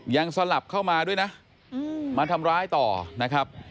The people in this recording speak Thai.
สลับเข้ามาด้วยนะมาทำร้ายต่อนะครับ